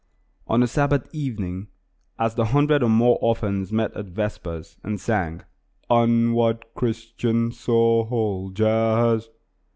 On a Sabbath evening, as the hundred or more orphans met at vespers and sang, "Onward, Christian Soldiers!"